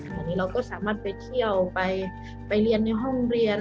อันนี้เราก็สามารถไปเที่ยวไปเรียนในห้องเรียน